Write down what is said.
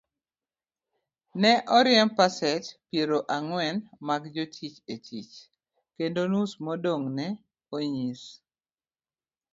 Ne oriemb pasent pierang'wen mag jotich e tich, kendo nus modong' ne onyis